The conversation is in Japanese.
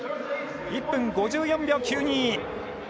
１分５４秒９２。